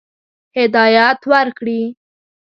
هدایت ورکړي.